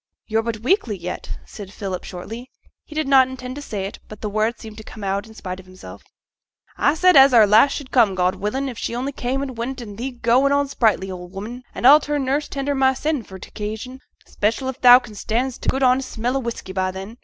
'You're but weakly yet,' said Philip shortly; he did not intend to say it, but the words seemed to come out in spite of himself. 'A said as our lass should come, God willin', if she only came and went, an' thee goin' on sprightly, old 'ooman. An' a'll turn nurse tender mysen for t' occasion, 'special if thou can stand t' good honest smell o' whisky by then.